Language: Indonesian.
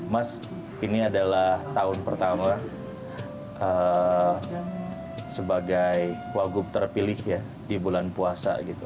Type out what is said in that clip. mas ini adalah tahun pertama sebagai wagub terpilih ya di bulan puasa gitu